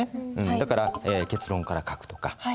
だから結論から書くとか。